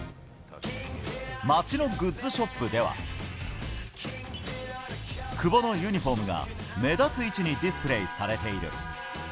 街のグッズショップでは、久保のユニホームが目立つ位置にディスプレーされている。